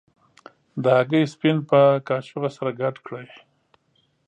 د هګۍ سپین په کاشوغه سره ګډ کړئ.